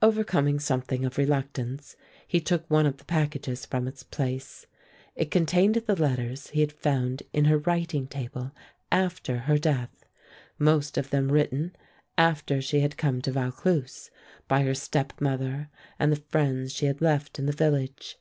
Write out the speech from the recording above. Overcoming something of reluctance, he took one of the packages from its place. It contained the letters he had found in her writing table after her death, most of them written after she had come to Vaucluse by her stepmother and the friends she had left in the village.